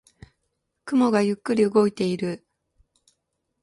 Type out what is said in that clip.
雲がゆっくり動いている。